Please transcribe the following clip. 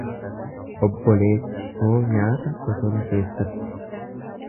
Obboleessi koo nyaata bosona keessatti.